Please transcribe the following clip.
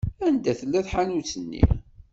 Anda tella tḥanut-nni?